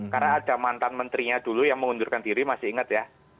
karena ada mantan menterinya dulu yang mengundurkan diri masih inget ya